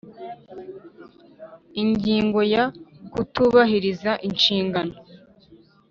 Ingingo ya kutubahiriza inshingano